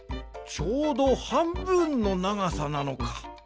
ちょうどはんぶんのながさなのか。